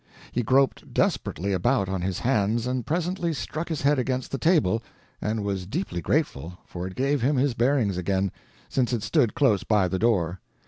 He groped desperately about on his hands, and presently struck his head against the table and was deeply grateful, for it gave him his bearings again, since it stood close by the door.